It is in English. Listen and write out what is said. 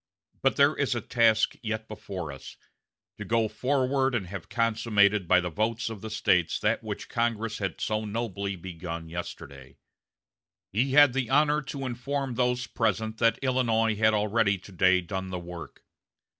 But there is a task yet before us to go forward and have consummated by the votes of the States that which Congress had so nobly begun yesterday. He had the honor to inform those present that Illinois had already to day done the work.